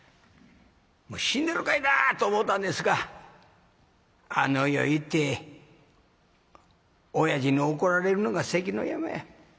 もう死んだろかいなと思たんですがあの世へ行っておやじに怒られるのが関の山や。